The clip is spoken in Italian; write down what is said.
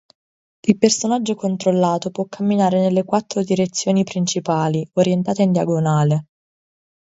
Il personaggio controllato può camminare nelle quattro direzioni principali, orientate in diagonale.